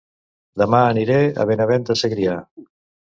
Dema aniré a Benavent de Segrià